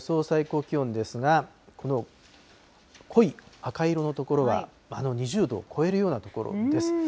最高気温ですが、この濃い赤色の所は、２０度を超えるような所です。